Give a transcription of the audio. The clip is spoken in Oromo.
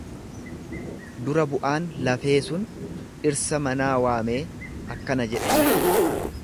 Dura-bu'aan lafee sun dhirsa manaa waamee akkana jedheen.